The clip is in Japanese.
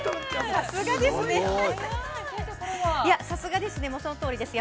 ◆さすがですね、そのとおりです。